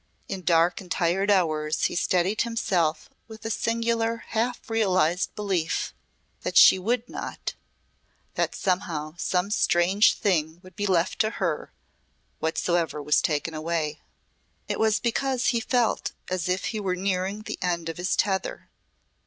In dark and tired hours he steadied himself with a singular half realised belief that she would not that somehow some strange thing would be left to her, whatsoever was taken away. It was because he felt as if he were nearing the end of his tether.